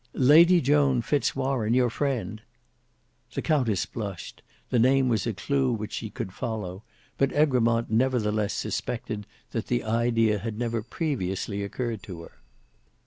"Lady Joan Fitz Warene, your friend—" The countess blushed; the name was a clue which she could follow, but Egremont nevertheless suspected that the idea had never previously occurred to her.